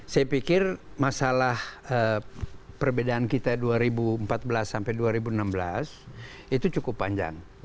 saya pikir masalah perbedaan kita dua ribu empat belas sampai dua ribu enam belas itu cukup panjang